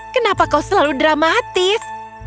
kenapa kau selalu dramatis